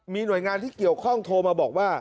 มีหน่วยงานที่เกี่ยวข้องโทรมาบอกว่า